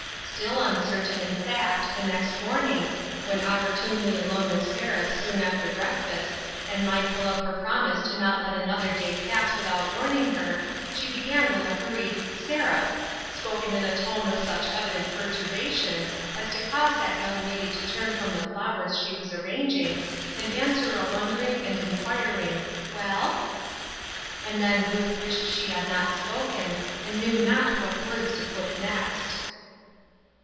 Still uncertain, in fact, the next morning, when opportunely alone with Seraph soon after break A TROUBLESOME "YOUNG TERSON. 175 fast, and mindful of her promise to let not another day pass without warning her, she began with a hurried " Seraph," spoken in a tone of such evi dent perturbation as to cause that young lady to turn from the flowers she was arranging, and an swer a wondering and inquiring, " Well ?" And then Ruth wished she had not spoken, and knew not what words to out next.